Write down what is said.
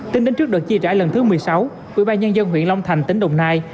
tính đến trước đợt chi trả lần thứ một mươi sáu ủy ban nhân dân huyện long thành tính đồng nai